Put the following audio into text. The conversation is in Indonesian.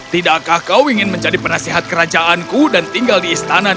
tidakkah kau ingin menjadi penasehat kerajaanku dan tinggal di istana negara